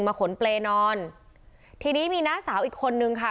ขนเปรย์นอนทีนี้มีน้าสาวอีกคนนึงค่ะ